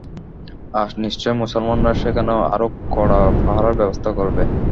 আজ নিশ্চয় মুসলমানরা সেখানে আরো কড়া পাহারার ব্যবস্থা করবে।